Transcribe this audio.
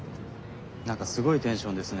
何かすごいテンションですね。